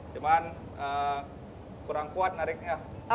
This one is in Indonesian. cuma kurang kuat menariknya